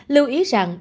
lưu ý rằng đất nước